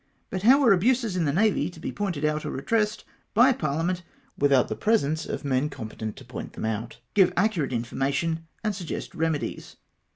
But how were abuses in the Navy to be pointed out or redressed by par liament, without the presence of men competent to point them out, give accurate information, and suggest remedies